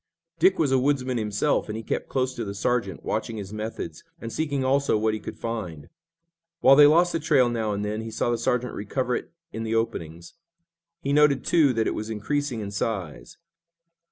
Dick was a woodsman himself, and he kept close to the sergeant, watching his methods, and seeking also what he could find. While they lost the trail now and then, he saw the sergeant recover it in the openings. He noted, too, that it was increasing in size.